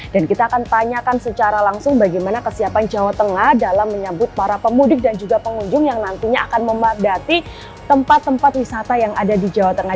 dan kita akan tanyakan secara langsung bagaimana kesiapan jawa tengah dalam menyambut para pemudik dan juga pengunjung yang nantinya akan memadati tempat tempat wisata yang ada di jawa tengah